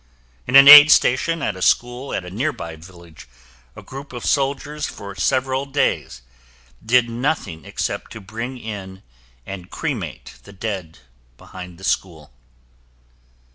In an aid station at a school at a nearby village, a group of soldiers for several days did nothing except to bring in and cremate the dead behind the school.